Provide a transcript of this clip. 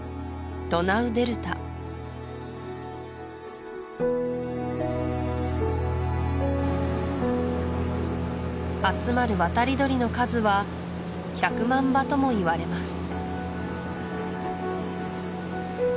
ドナウデルタ集まる渡り鳥の数は１００万羽ともいわれます